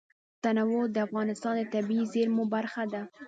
تنوع د افغانستان د طبیعي زیرمو برخه ده.